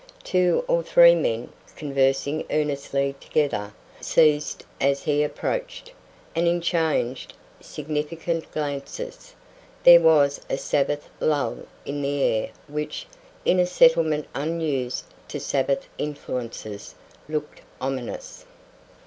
Two or three men, conversing earnestly together, ceased as he approached, and exchanged significant glances. There was a Sabbath lull in the air which, in a settlement unused to Sabbath influences, looked ominous.